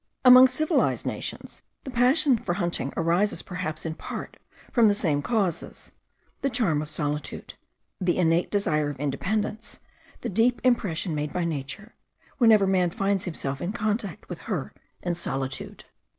Among civilized nations, the passion for hunting arises perhaps in part from the same causes: the charm of solitude, the innate desire of independence, the deep impression made by Nature, whenever man finds himself in contact with her in solitude.